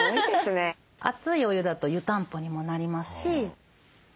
熱いお湯だと湯たんぽにもなりますし。